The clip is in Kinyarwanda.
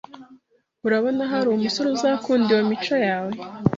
urabona hari umusore uzakunda iyo mico yawe